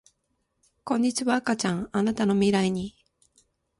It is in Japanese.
こんにちは赤ちゃんあなたの未来に